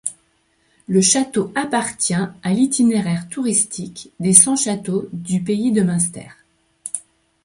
Le château appartient à l'itinéraire touristique des cent châteaux du Pays de Münster.